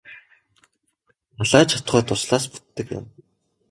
Далай ч атугай дуслаас бүтдэг юм.